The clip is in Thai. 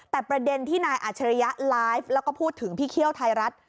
แต่ประเด็นที่นายอัจฉริยะไลฟ์แล้วก็พูดถึงพี่เคี่ยวไทยรัฐ